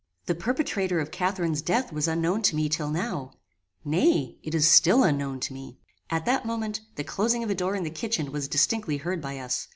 The perpetrator of Catharine's death was unknown to me till now; nay, it is still unknown to me." At that moment, the closing of a door in the kitchen was distinctly heard by us.